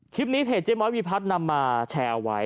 คลิปนี้เพจเจ๊ม้อยวิพัฒน์นำมาแชร์ไว้